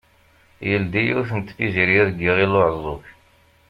Yeldi yiwet n tpizzirya deg Iɣil-Uɛeẓẓug.